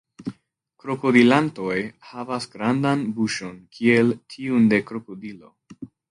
Krokodilantoj havas grandan buŝon kiel tiun de krokodilo.